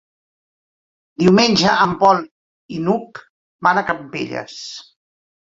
Diumenge en Pol i n'Hug van a Campelles.